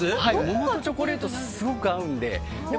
桃とチョコレートすごく合うんで。